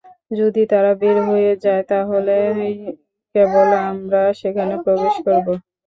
যদি তারা বের হয়ে যায় তাহলেই কেবল আমরা সেখানে প্রবেশ করব।